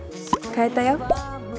買えたよ。